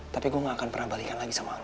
tapi gue gak akan pernah balikan lagi sama allah